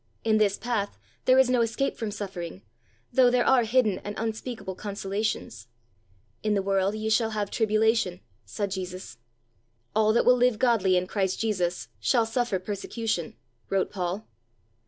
In this path there is no escape from suffering, though there are hidden and unspeakable consolations. "In the world ye shall have tribulation," said Jesus. "All that will live godly in Christ Jesus shall suffer persecution," wrote Paul.